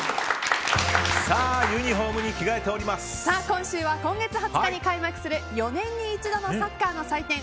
今週は今月２０日に開幕する４年に一度のサッカーの祭典